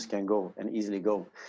bisa pergi dengan mudah